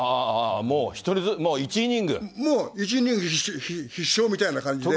もう１人、もう１イニング必勝みたいな感じで。